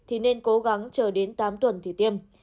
thì nên cố gắng chờ đến tám tuần thì tiêm